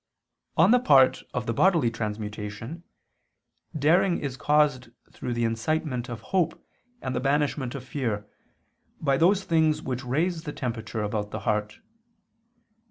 On the part of the bodily transmutation, daring is caused through the incitement of hope and the banishment of fear, by those things which raise the temperature about the heart.